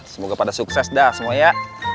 semoga pada sukses dah semua ya